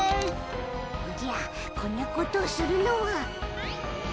おじゃこんなことをするのは。